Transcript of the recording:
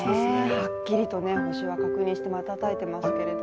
はっきりと星が確認できて、またたいていますけど。